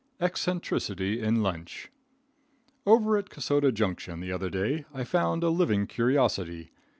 Eccentricity in Lunch. Over at Kasota Junction, the other day, I found a living curiosity.